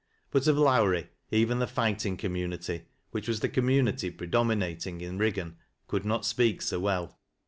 But of Lowrie, even the fighting community which was the community predominating in Kiggau, could not speak so well.